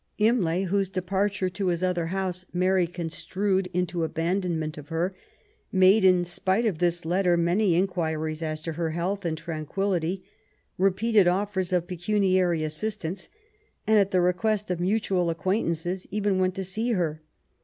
Imlay^ whose departure to his other house Mary construed into abandonment of her, made, in spite of this letter, many inquiries as to her health and tran quillity, repeated offers of pecuniary assistance, and, at tlie request of mutual acquaintances, even went to see her.